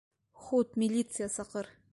Хут милиция саҡыр!